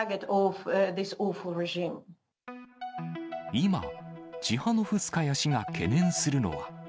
今、チハノフスカヤ氏が懸念するのは。